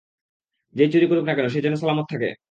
যেই চুরি করুক না কেন, সে যেন সালামত থাকে!